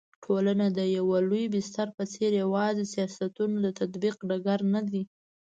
ټولنه د يوه لوی بستر په څېر يوازي د سياستونو د تطبيق ډګر ندی